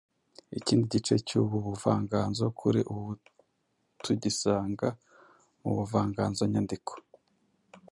Ikindi gice cy’ubu buvanganzo kuri ubu tugisanga mu buvanganzo nyandiko